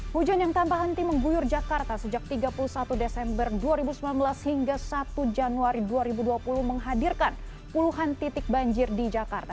hujan yang tanpa henti mengguyur jakarta sejak tiga puluh satu desember dua ribu sembilan belas hingga satu januari dua ribu dua puluh menghadirkan puluhan titik banjir di jakarta